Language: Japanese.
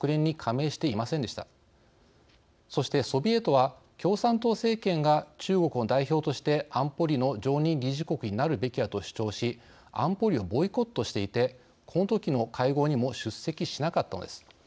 そしてソビエトは共産党政権が中国の代表として安保理の常任理事国になるべきだと主張し安保理をボイコットしていてこのときの会合にも出席しなかったのです。